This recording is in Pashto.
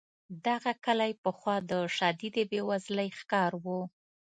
دغه کلی پخوا د شدیدې بې وزلۍ ښکار و.